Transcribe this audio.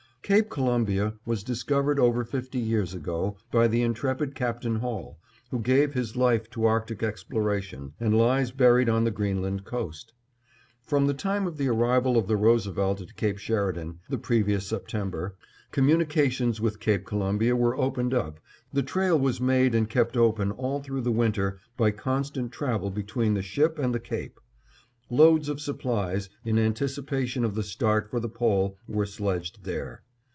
Cape Columbia was discovered over fifty years ago, by the intrepid Captain Hall, who gave his life to Arctic exploration, and lies buried on the Greenland coast. From the time of the arrival of the Roosevelt at Cape Sheridan, the previous September, communications with Cape Columbia were opened up, the trail was made and kept open all through the winter by constant travel between the ship and the cape. Loads of supplies, in anticipation of the start for the Pole, were sledged there.